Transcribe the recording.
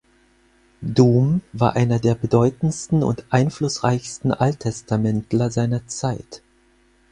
Duhm war einer der bedeutendsten und einflussreichsten Alttestamentler seiner Zeit.